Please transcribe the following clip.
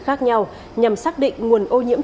khác nhau nhằm xác định nguồn ô nhiễm